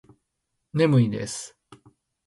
眠いです